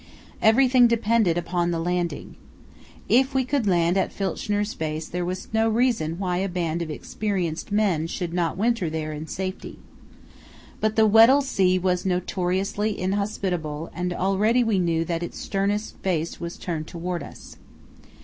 Everything depended upon the landing. If we could land at Filchner's base there was no reason why a band of experienced men should not winter there in safety. But the Weddell Sea was notoriously inhospitable and already we knew that its sternest face was turned toward us.